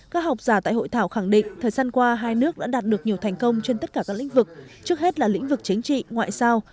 các học giả tại hội thảo khẳng định thời gian qua hai nước đã đạt được nhiều thành công trên tất cả các lĩnh vực trước hết là lĩnh vực chính trị ngoại giao